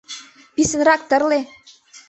Писынрак тырле!